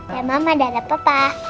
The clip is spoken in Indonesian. ya mama dala papa